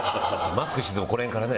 マスクしててもこの辺からね。